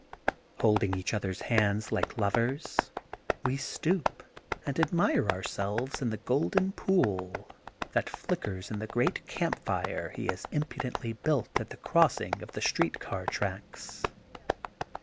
Holding each other's hands like lovers we stoop and admire ourselves in the golden pool that flickers in the great campfire he has im THE GOLDEN BOOK OF SPRINGFIELD 225 pudently built at the crossing of the street car tracks.